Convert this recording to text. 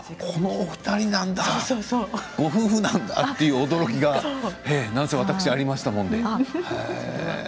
このお二人なんだってご夫婦なんだという驚きがなんせ私ありましたもので。